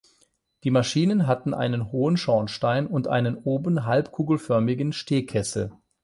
Die Maschinen hatten einen hohen Schornstein und einen oben halbkugelförmigen Stehkessel.